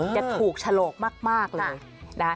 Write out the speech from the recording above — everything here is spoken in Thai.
จะถูกฉโรคมากเลย